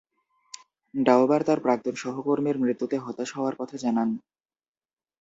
ডাওবার তার প্রাক্তন সহকর্মীর মৃত্যুতে "হতাশ" হওয়ার কথা জানান।